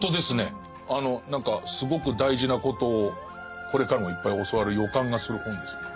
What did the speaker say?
何かすごく大事なことをこれからもいっぱい教わる予感がする本ですね。